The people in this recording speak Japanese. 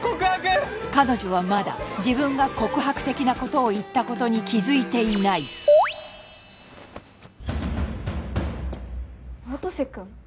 彼女はまだ自分が告白的なことを言ったことに気づいていない音瀬君？